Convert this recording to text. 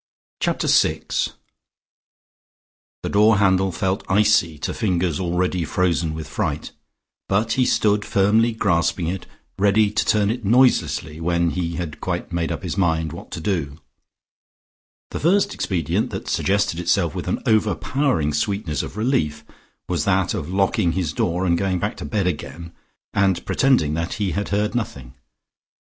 Chapter SIX The door handle felt icy to fingers already frozen with fright, but he stood firmly grasping it, ready to turn it noiselessly when he had quite made up his mind what to do. The first expedient that suggested itself with an overpowering sweetness of relief, was that of locking his door, going back to bed again, and pretending that he had heard nothing.